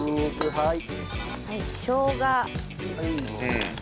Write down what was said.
はい！